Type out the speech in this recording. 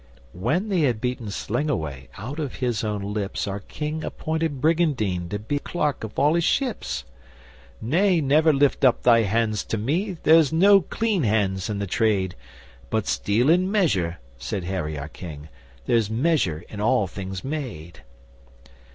When they had beaten Slingawai, out of his own lips, Our King appointed Brygandyne to be Clerk of all his ships. 'Nay, never lift up thy hands to me there's no clean hands in the trade. But steal in measure,' said Harry our King. 'There's measure in all things made!